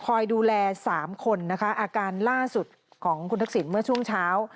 คอยดูแลสามคนนะคะอาการล่าสุดของคุณทักษิณเมื่อช่วงเช้า